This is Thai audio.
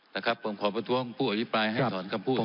นะครับผมขอประท้วงผู้อภิปรายให้ถอนคำพูด